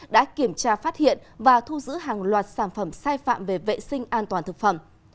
đã kiểm tra phát hiện và thu giữ hàng loạt sản phẩm sai phạm về vệ sinh an toàn thực phẩm